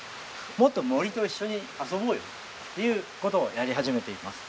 もっと森と一緒に遊ぼうよっていう事をやり始めています。